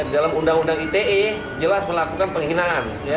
dalam undang undang ite jelas melakukan penghinaan